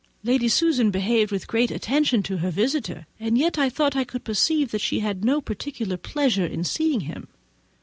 Lady Susan behaved with great attention to her visitor; and yet I thought I could perceive that she had no particular pleasure in seeing him.